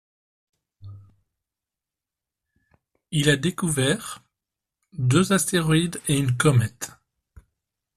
Il a découvert deux astéroïdes et une comète.